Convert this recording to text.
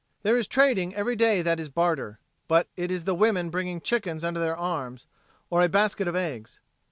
There is trading every day that is barter. But it is the women bringing chickens under their arms, or it basket of eggs.